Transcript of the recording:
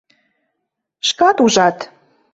— Шкат ужат...